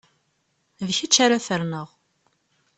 D kečč ara ferneɣ!